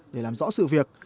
để làm rõ sự việc